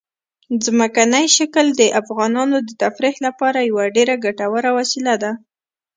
ځمکنی شکل د افغانانو د تفریح لپاره یوه ډېره ګټوره وسیله ده.